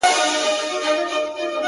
له حاله مو هم خبروم؛ ان شاءالله